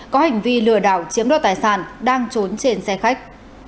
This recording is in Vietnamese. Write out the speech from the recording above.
có hành vi lừa đảo chiếm đoạt tài sản đang trốn trên xe khách